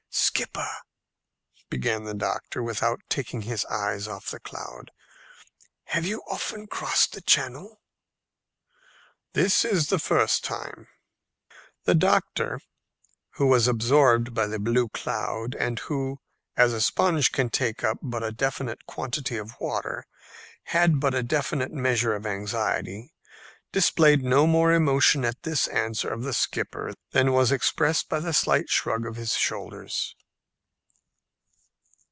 "Skipper," began the doctor, without taking his eyes off the cloud, "have you often crossed the Channel?" "This is the first time." The doctor, who was absorbed by the blue cloud, and who, as a sponge can take up but a definite quantity of water, had but a definite measure of anxiety, displayed no more emotion at this answer of the skipper than was expressed by a slight shrug of his shoulders.